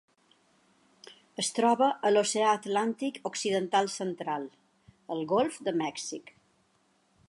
Es troba a l'Oceà Atlàntic occidental central: el Golf de Mèxic.